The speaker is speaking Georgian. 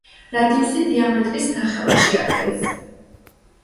რადიუსი დიამეტრის ნახევარს შეადგენს.